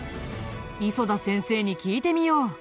磯田先生に聞いてみよう。